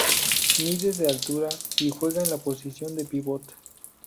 Mide de altura, y juega en la posición de pívot.